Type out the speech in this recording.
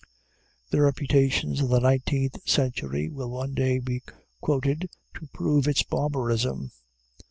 The reputations of the nineteenth century will one day be quoted to prove its barbarism.